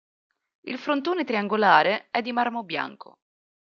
Il frontone triangolare è di marmo bianco.